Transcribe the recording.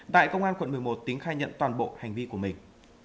tại công an quận một mươi một tính khai nhận toàn bộ hành vi của mình